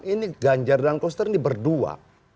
ini ganjar dan koster ini berdua